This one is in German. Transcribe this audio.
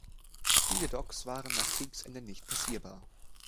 Viele Docks waren nach Kriegsende nicht passierbar.